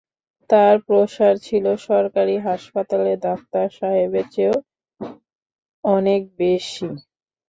তাঁর প্রসার ছিল সরকারি হাসপাতালের ডাক্তার সাহেবের চেয়েও অনেক বেশি।